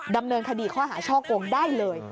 ดำเนินคดีข้อหาช่อกงได้เลย